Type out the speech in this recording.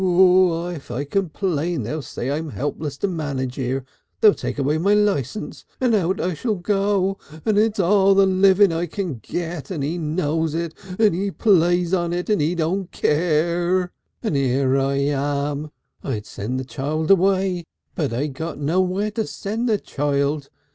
If I complain they'll say I'm helpless to manage here, they'll take away my license, out I shall go and it's all the living I can get and he knows it, and he plays on it, and he don't care. And here I am. I'd send the child away, but I got nowhere to send the child.